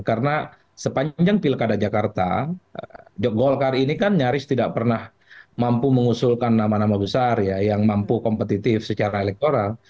karena sepanjang pilkada jakarta golkar ini kan nyaris tidak pernah mampu mengusulkan nama nama besar yang mampu kompetitif secara elektoral